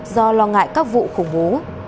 do lo ngại các vụ khủng bố